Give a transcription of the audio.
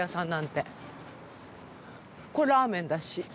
これラーメンだし。